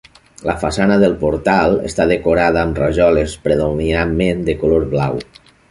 La façana del portal està decorada amb rajoles predominantment de color blau.